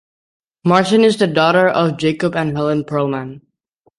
Martin is the daughter of Jacob and Helen Perlman.